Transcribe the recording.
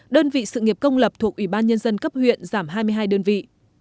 đơn vị sự nghiệp công lập thuộc ủy ban nhân dân cấp huyện giảm hai mươi hai đơn vị